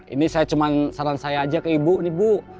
ini cuma saran saya saja ke ibu